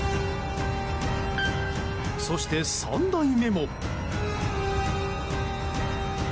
そして、３台目も。